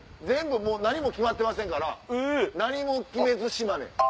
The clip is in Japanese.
全部何も決まってませんから何も決めず島根。